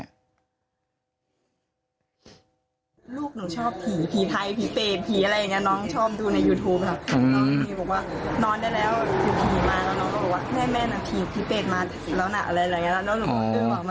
ลูกหนูชอบผีผีไทยผีเปรตผีอะไรอย่างนี้